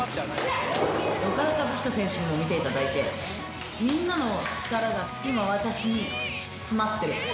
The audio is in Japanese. オカダ・カズチカ選手にも見ていただいて、みんなの力が今私に詰まってる。